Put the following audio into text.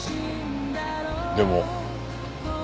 「でも」？